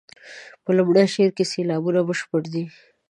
په لومړي شعر کې سېلابونه بشپړ دي.